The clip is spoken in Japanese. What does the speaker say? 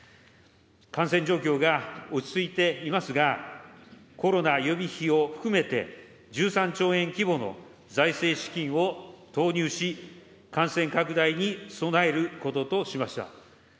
感染状況が落ち着いていますが、コロナ予備費を含めて１３兆円規模の財政資金を投入し、感染拡大に備えることとしました。